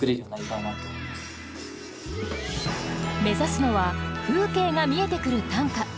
目指すのは風景が見えてくる短歌。